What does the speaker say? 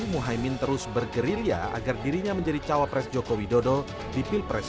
muhaymin terus bergerilya agar dirinya menjadi cawapres jokowi dodo di pilpres dua ribu sembilan belas